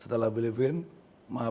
setelah thailand filipina